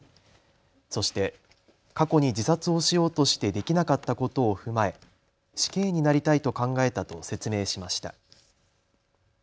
そして過去に自殺をしようとしてできなかったことを踏まえ死刑になりたいと考えたと説明しました。